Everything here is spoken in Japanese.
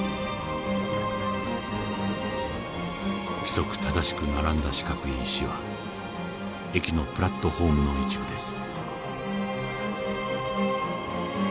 規則正しく並んだ四角い石は駅のプラットホームの一部です。